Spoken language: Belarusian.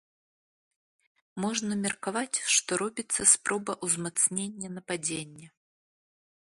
Можна меркаваць, што робіцца спроба ўзмацнення нападзення.